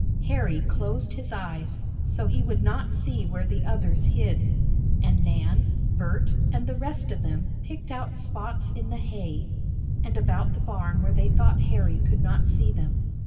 Harry closed his eyes, so he would not see where the others hid, and Nan, Bert and the rest of them picked out spots in the hay, and about the barn where they thought Harry could not see them.